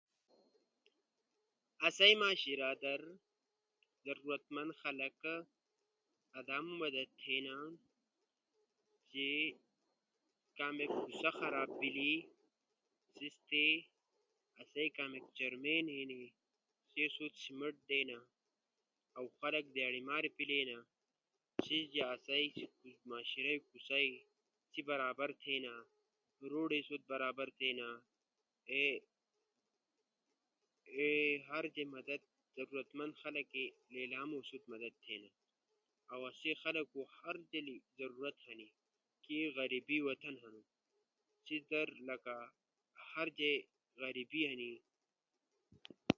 آسئی معاشرہ در ضرورت مند خلقو ادامو مدد تھینا چے کامیک سخت خراب بیلی ، آسئی کامیک چیئر مین ہنی سی اسو تی سیمبٹ دینا اؤ خلق دیاڑی مارپیلینا سیس جا آسئی معاشرہ ئی کوسے برابر تھینا ، روڈ اسو برابر تھینا، ہر جے ضرورت مند خلقو ادامو مدد تھینا۔ اؤ آسئی خلقو ہر جیلی مدد ہنی، کے غریبی وطن ہنو۔ سیس در لکہ ہر جے غریبی ہنی۔